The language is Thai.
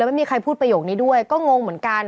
ไม่มีใครพูดประโยคนี้ด้วยก็งงเหมือนกัน